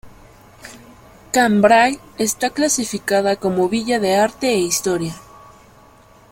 Cambrai está clasificada como Villa de Arte e Historia.